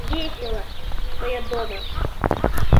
Весело, что я дома.